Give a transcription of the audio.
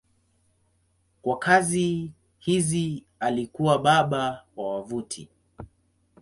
Kwa kazi hizi alikuwa baba wa wavuti.